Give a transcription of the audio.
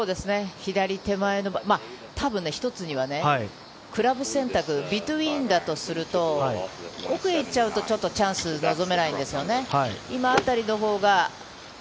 左手前、たぶん一つにはクラブ選択、ビトゥイーンだとすると、奥へ行っちゃうとチャンスが望めないんですね。